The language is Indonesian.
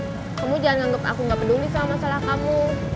kamu jangan nganggup aku nggak peduli sama masalah kamu